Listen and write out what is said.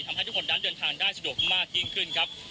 ทำให้ทุกคนนั้นเดินทางได้สะดวกมากยิ่งขึ้นครับ